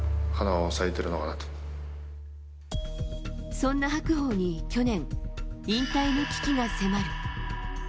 そんな白鵬に去年、引退の危機が迫る。